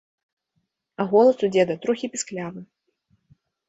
А голас у дзеда трохі пісклявы.